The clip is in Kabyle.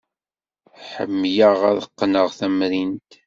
Ḥemmleɣ ad qqneɣ tamrint.